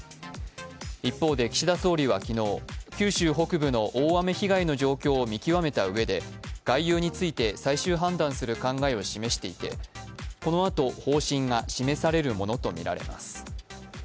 一方で岸田総理は昨日、九州北部の大雨被害の状況を見極めたうえで外遊について最終判断する考えを示していて、このあと方針が示されるものとみられます。